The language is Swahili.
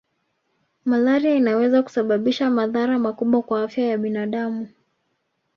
Malaria inaweza kusababisha madhara makubwa kwa afya ya binadamu